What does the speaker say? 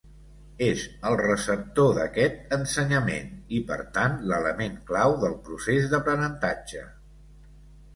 És el receptor d'aquest ensenyament, i per tant, l'element clau del procés d’aprenentatge.